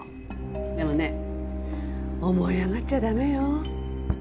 でもね思い上がっちゃ駄目よ。